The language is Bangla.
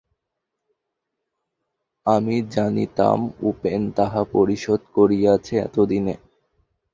আমি জানিতাম, উপেন তাহা পরিশোধ করিয়াছে এতদিনে।